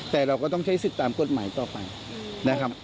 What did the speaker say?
แต่เราก็ต้องใช้สิทธิ์ตามกฎหมายต่อไปนะครับ